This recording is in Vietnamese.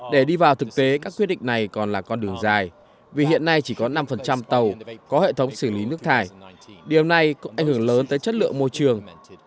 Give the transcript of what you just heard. để đi vào thực tế các quyết định này còn là con đường dài vì hiện nay chỉ có năm tàu có hệ thống xử lý nước thải điều này cũng ảnh hưởng lớn tới chất lượng môi trường